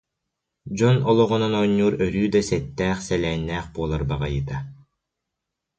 Дьон олоҕунан оонньуур өрүү да сэттээх-сэлээннээх буолар баҕайыта